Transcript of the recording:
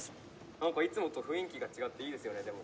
「何かいつもと雰囲気が違っていいですよねでも」。